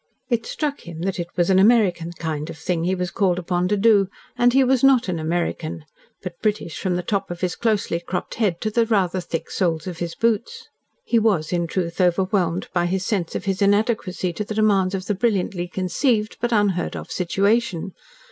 It struck him that it was an American kind of thing he was called upon to do, and he was not an American, but British from the top of his closely cropped head to the rather thick soles of his boots. He was, in truth, overwhelmed by his sense of his inadequacy to the demands of the brilliantly conceived, but unheard of situation.